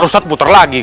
kalau ustadz puter lagi